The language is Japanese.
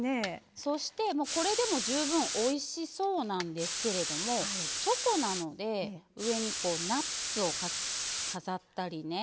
そして、これでも十分おいしそうなんですけどチョコなので上にナッツを飾ったりね。